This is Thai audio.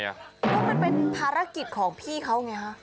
มันเป็นภารกิจของพี่เขาไงครับ